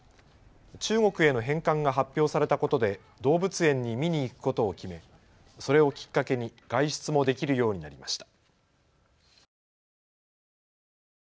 中国への返還が発表されたことで動物園に見に行くことを決めそれをきっかけに外出もできるようになりました。